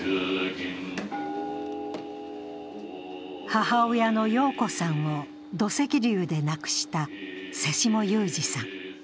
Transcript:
母親の陽子さんを土石流で亡くした瀬下雄史さん。